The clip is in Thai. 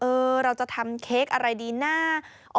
เออเราจะทำเค้กอะไรดีน่า